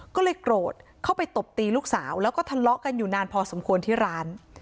ก็เลยโกรธเข้าไปตบตีลูกสาวแล้วก็ทะเลาะกันอยู่นานพอสมควรที่ร้าน